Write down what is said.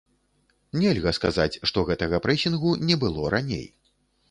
Нельга сказаць, што гэтага прэсінгу не было раней.